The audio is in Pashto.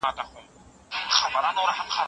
حیات الله په خپله ځوانۍ کې تل په کارونو کې بوخت و.